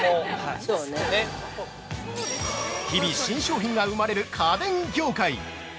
◆日々新商品が生まれる家電業界。